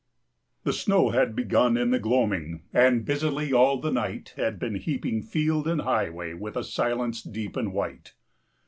The snow had begun in the gloaming, And busily all the night Had been heaping field and highway With a silence deep and white.